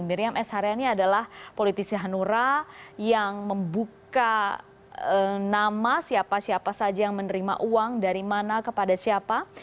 miriam s haryani adalah politisi hanura yang membuka nama siapa siapa saja yang menerima uang dari mana kepada siapa